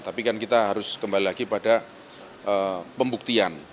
tapi kan kita harus kembali lagi pada pembuktian